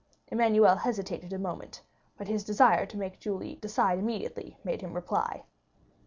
Emmanuel hesitated a moment, but his desire to make Julie decide immediately made him reply.